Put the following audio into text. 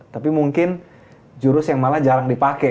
tapi mungkin jurus yang malah jarang dipakai